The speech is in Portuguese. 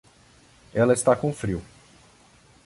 Ela está com frio.